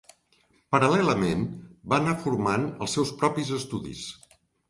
Paral·lelament va anar formant els seus propis estudis.